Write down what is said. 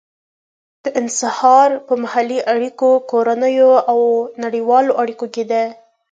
دا انحصار په محلي اړیکو، کورنیو او نړیوالو اړیکو کې دی.